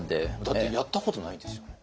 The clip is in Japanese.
だってやったことないですよね？